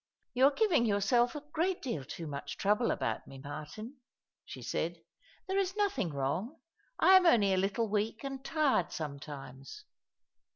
" You are giving yourself a great deal too much trouble about me, Martin," she said. " There is nothing wrong. I am only a little weak and tired sometimes."